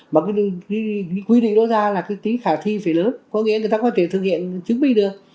mà cái quy định đó ra là cái tính khả thi phải lớn có nghĩa người ta có thể thực hiện chứng minh được